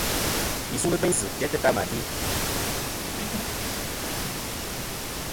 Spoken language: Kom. Yi sulɨ gveyn zɨ̀ jæ tɨ ka mà gvi.